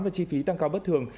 và chi phí tăng cao bất thường